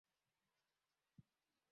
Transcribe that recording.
na ya Asia Kwa eneo ni nchi